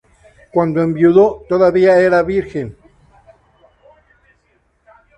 Cuando enviudó, todavía era virgen.